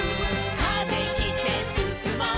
「風切ってすすもう」